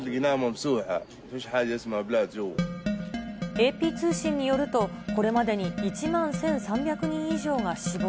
ＡＰ通信によると、これまでに１万１３００人以上が死亡。